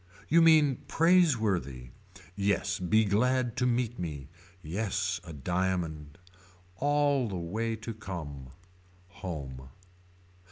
You mean praiseworthy. Yes be glad to meet me. Yes a diamond. All the way to come. Home.